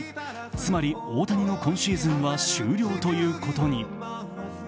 つまり大谷の今シーズンは終了ということに。